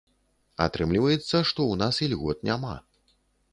Атрымліваецца, што ў нас ільгот няма.